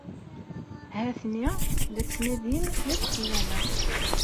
Ha-ten-i la ttnadin akk fell-aneɣ.